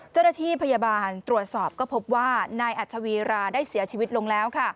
เจ้าหน้าที่พยาบาลตรวจสอบก็พบว่านายอัชวีราได้เสียชีวิตลงแล้ว